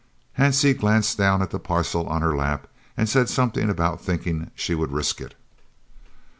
Hansie glanced down at the parcel on her lap and said something about thinking she would risk it.